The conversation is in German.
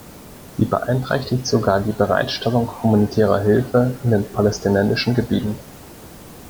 Sie beeinträchtigt sogar die Bereitstellung humanitärer Hilfe in den palästinensischen Gebieten.